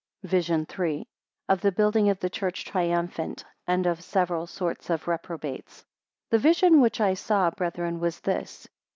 VISION III. Of the building of the church triumphant, and of the several sorts of reprobates. THE vision which I saw, brethren, was this.